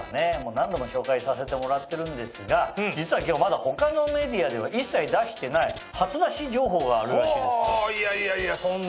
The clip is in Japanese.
もう何度も紹介させてもらってるんですが実は今日まだ他のメディアでは一切出してない初出し情報があるらしいです。